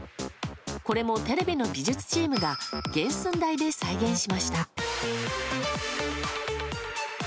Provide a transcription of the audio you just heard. これもテレビの美術チームが原寸大で再現しました。